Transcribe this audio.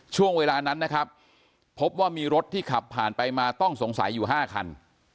ช่วงเวลานั้นนะครับพบว่ามีรถที่ขับผ่านไปมาต้องสงสัยอยู่๕คัน